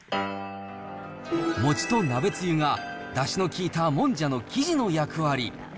餅と鍋つゆがだしの効いたもんじゃの生地の役割。